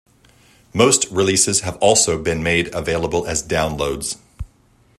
Most releases have also been made available as downloads.